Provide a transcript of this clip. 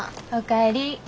お帰り。